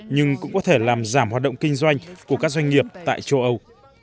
nhưng cũng có thể làm giảm hoạt động kinh doanh của các doanh nghiệp tại châu âu